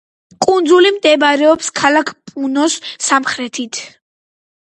კუნძული მდებარეობს ქალაქ პუნოს სამხრეთით.